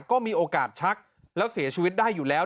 ก็มีโอกาสชักแล้วเสียชีวิตได้อยู่แล้ว